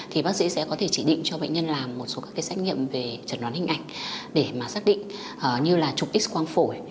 thì bác sĩ sẽ có thể chỉ định cho bệnh nhân làm một số các cái xét nghiệm về chẩn đoán hình ảnh để mà xác định như là chụp x quang phổi